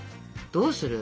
どうする？